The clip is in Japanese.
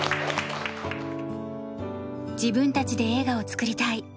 自分たちで映画を作りたい。